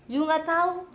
you gak tau